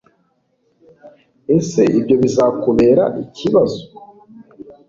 Ese ibyo bizakubera ikibazo